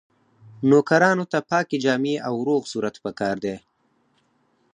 نوکرانو ته پاکې جامې او روغ صورت پکار دی.